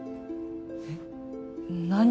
えっ何？